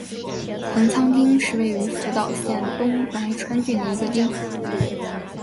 棚仓町是位于福岛县东白川郡的一町。